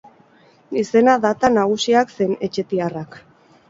Izena, data, nagusiak zein etxetiarrak.